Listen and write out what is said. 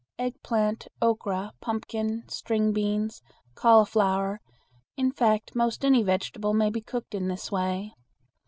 Eggplant, okra, pumpkin, string beans, cauliflower, in fact most any vegetable may be cooked in this way.